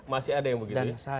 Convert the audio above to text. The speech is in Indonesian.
masih ada yang begitu ya